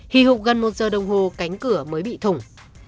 hì hục gần một giờ đồng hồ cánh cửa mới bị thủng